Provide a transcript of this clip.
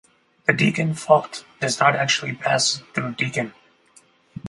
The Deakin Fault does not actually pass through Deakin.